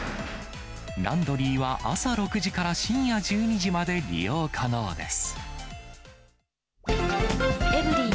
ランドリーは朝６時から深夜１２時まで利用可能です。